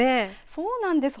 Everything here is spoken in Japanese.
そうなんです。